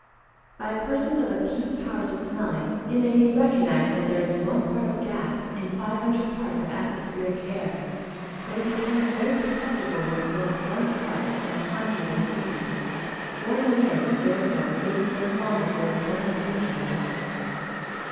_ By persons of acute powers of smelling it may be recognised when there is one part of gas in five hundred parts of atmospheric air; but it becomes very perceptible when it forms one part in a hundred and fifty. Warning is, therefore, given to us long before the point of danger arrives.